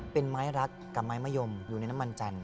เป็นไม้รักกับไม้มะยมอยู่ในน้ำมันจันท